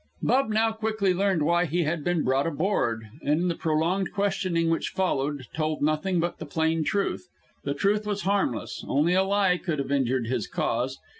Bub now quickly learned why he had been brought aboard, and in the prolonged questioning which followed, told nothing but the plain truth. The truth was harmless; only a lie could have injured his cause.